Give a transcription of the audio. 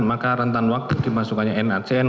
maka rentang waktu dimasukkan nacn